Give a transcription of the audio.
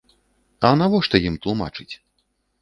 А навошта ім тлумачыць?